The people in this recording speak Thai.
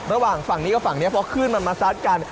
ระหว่างฝั่งนี้กับฝั่งนี้เพราะคลื่นมันมาซัดกัน